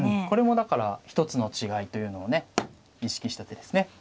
これもだから一つの違いというのをね意識した手ですね。